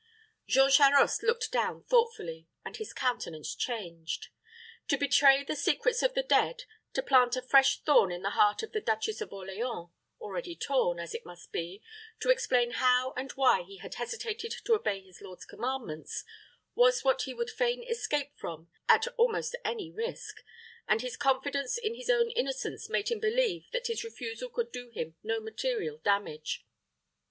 Jean Charost looked down thoughtfully, and his countenance changed. To betray the secrets of the dead, to plant a fresh thorn in the heart of the Duchess of Orleans, already torn, as it must be, to explain how and why he had hesitated to obey his lord's commands, was what he would fain escape from at almost any risk; and his confidence in his own innocence made him believe that his refusal could do him no material damage.